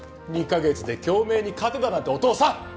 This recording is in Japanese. ２カ月で京明に勝てだなんてお父さん！